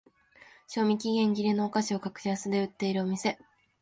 賞味期限切れのお菓子を格安で売るお店